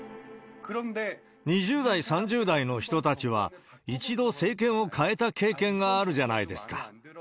２０代、３０代の人たちは、一度政権を替えた経験があるじゃないですか。